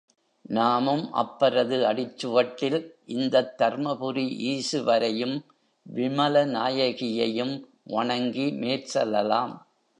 நாமும் அப்பரது அடிச்சுவட்டில் இந்தத் தர்மபுரி ஈசுவரையும் விமலநாயகியையும் வணங்கி மேற் செல்லலாம்.